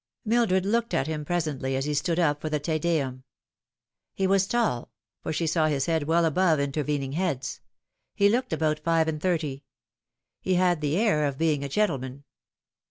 Mildred looked at him presently as he stood up for the Te Deum. He was tall, for she saw his head well above intervening heads. He looked about fi ve and thirty. He had the air of being a gentleman.